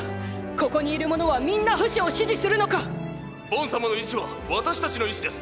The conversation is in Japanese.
ここにいる者はみんなフシを支持するのか⁉ボン様の意志は私たちの意志です！！